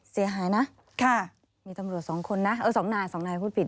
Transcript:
เสียหายนะมีตำรวจ๒คนนะเออ๒นายพูดผิด